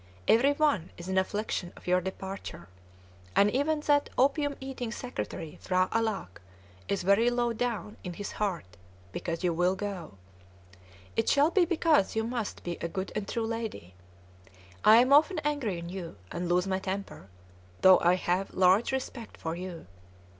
Every one is in affliction of your departure; and even that opium eating secretary, P'hra Alâck, is very low down in his heart because you will go. It shall be because you must be a good and true lady. I am often angry on you, and lose my temper, though I have large respect for you.